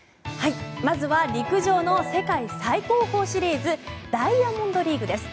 まずは陸上の世界最高峰シリーズダイヤモンドリーグです。